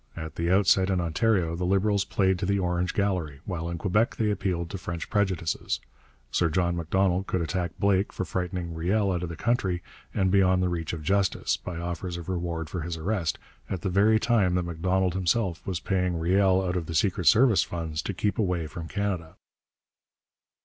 At the outset in Ontario the Liberals played to the Orange gallery, while in Quebec they appealed to French prejudices. Sir John Macdonald could attack Blake for frightening Riel out of the country and beyond the reach of justice, by offers of reward for his arrest, at the very time that Macdonald himself was paying Riel out of the secret service funds to keep away from Canada.